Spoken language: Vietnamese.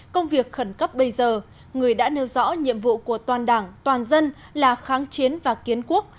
công việc khẩn cấp bây giờ người đã nêu rõ nhiệm vụ của toàn đảng toàn dân là kháng chiến và kiến quốc